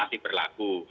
ini masih berlaku